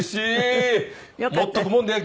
持っとくもんだよ